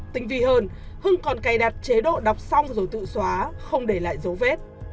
tính vì hơn hưng còn cài đặt chế độ đọc xong rồi tự xóa không để lại dấu vết